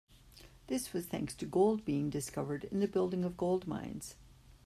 This was thanks to gold being discovered and the building of gold mines.